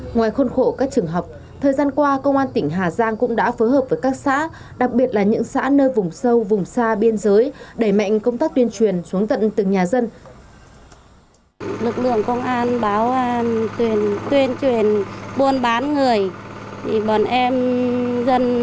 ngoài khôn khổ các trường học thời gian qua công an tỉnh hà giang đã phối hợp cùng các ban ngành đẩy mạnh công tác tuyên truyền để phòng ngừa loại tội phạm này